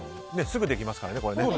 すぐできますからね、これ。